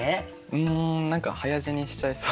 うん何か早死にしちゃいそう。